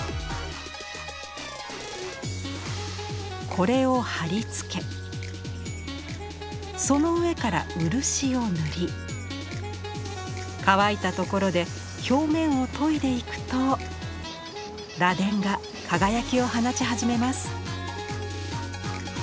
これを貼り付けその上から漆を塗り乾いたところで表面を研いでいくと螺鈿が輝きを放ち始めます。